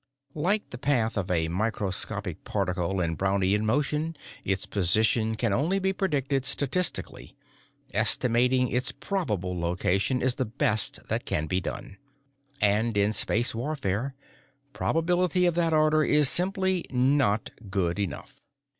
Like the path of a microscopic particle in Brownian motion, its position can only be predicted statistically; estimating its probable location is the best that can be done. And, in space warfare, probability of that order is simply not good enough.